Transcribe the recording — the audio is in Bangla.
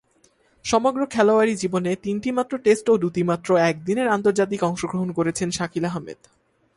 সমগ্র খেলোয়াড়ী জীবনে তিনটিমাত্র টেস্ট ও দুইটিমাত্র একদিনের আন্তর্জাতিকে অংশগ্রহণ করেছেন শাকিল আহমেদ।